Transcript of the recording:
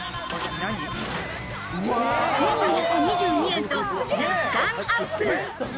１２２２円と若干アップ。